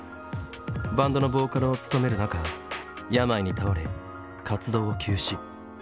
バンドのボーカルを務める中病に倒れ活動を休止。